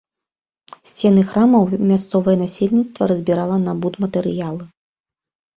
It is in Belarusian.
Сцены храмаў мясцовае насельніцтва разбірала на будматэрыялы.